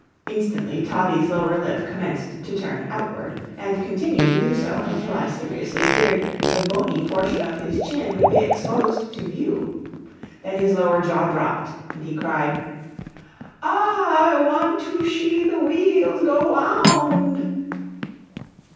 Instantly Toddie's lower lip commenced to turn outward, and continued to do so until I seriously feared the bony portion of his chin would be exposed to view. Then his lower jaw dropped, and he cried: "Ah h h h h h want to shee the wheels go wou OUND."